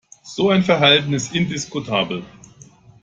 So ein Verhalten ist indiskutabel.